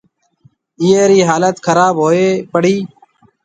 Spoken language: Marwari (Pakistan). اِيئي رِي حالت خراب هوئي پڙِي۔